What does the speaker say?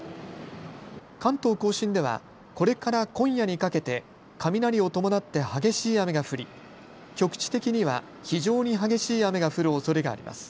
関東甲信ではこれから今夜にかけて雷を伴って激しい雨が降り、局地的には非常に激しい雨が降るおそれがあります。